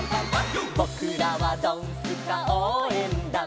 「ぼくらはドンスカおうえんだん」